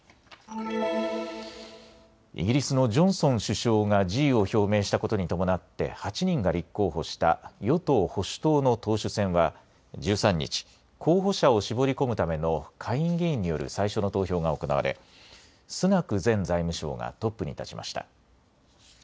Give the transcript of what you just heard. イギリスのジョンソン首相が辞意を表明したことに伴って８人が立候補した与党・保守党の党首選は１３日、候補者を絞り込むための下院議員による最初の投票が行われ、スナク前財務相がトップに立ちました。